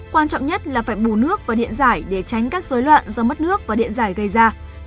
quan trọng nhất là phải bù nước và điện giải để tránh các dối loạn do mất nước và điện giải gây ra